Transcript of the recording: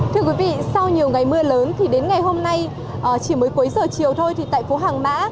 thưa quý vị sau nhiều ngày mưa lớn thì đến ngày hôm nay chỉ mới cuối giờ chiều thôi thì tại phố hàng mã